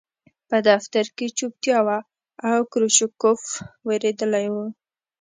په دفتر کې چوپتیا وه او کروچکوف وېرېدلی و